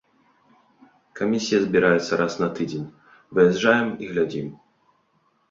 Камісія збіраецца раз на тыдзень, выязджаем і глядзім.